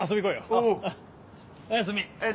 おやすみ。